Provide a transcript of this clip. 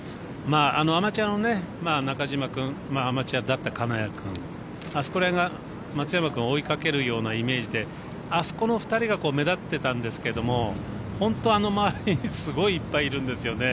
アマチュアの中島君アマチュアだった金谷君あそこら辺が松山君を追いかけるようなイメージであそこの２人が目立ってたんですけど本当はあの周りにすごいいっぱいいるんですよね